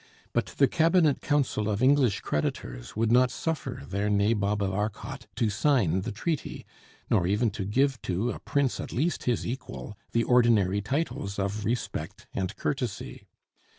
But the cabinet council of English creditors would not suffer their Nabob of Arcot to sign the treaty, nor even to give to a prince at least his equal the ordinary titles of respect and courtesy.